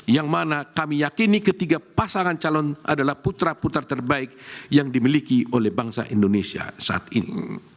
yang mana kami yakini ketiga pasangan calon adalah putra putra terbaik yang dimiliki oleh bangsa indonesia saat ini